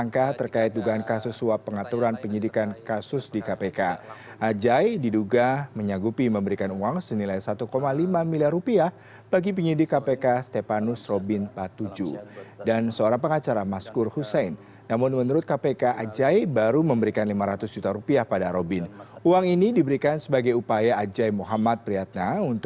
kepala dinas pupr sulawesi selatan edi rahmat